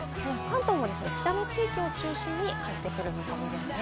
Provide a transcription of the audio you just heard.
関東も北の地域を中心に晴れてくる見込みですね。